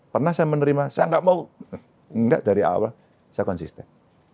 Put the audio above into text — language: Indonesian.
pernah saya menerima saya nggak mau enggak dari awal saya konsisten